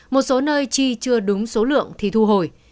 một số nơi chi chưa đúng số lượng thì thu hồi